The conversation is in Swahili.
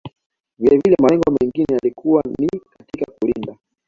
Vilevile malengo mengine yalikuwa ni katika kulinda